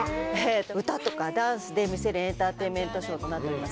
歌とかダンスで見せるエンターテインメントショーとなっております。